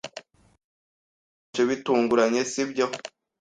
Byakonje bitunguranye, sibyo?